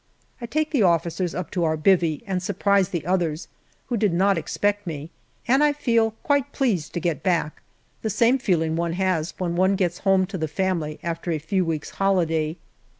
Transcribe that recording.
I take the officers up to our " bivvy " and surprise the others, who did not expect me, and I feel quite pleased to get back the same feeling one has when one gets home to the family after a few weeks' holiday.